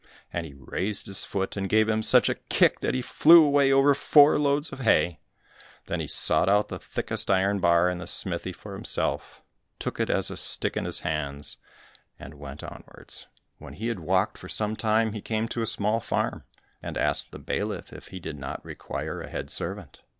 And he raised his foot, and gave him such a kick that he flew away over four loads of hay. Then he sought out the thickest iron bar in the smithy for himself, took it as a stick in his hand and went onwards. When he had walked for some time, he came to a small farm, and asked the bailiff if he did not require a head servant.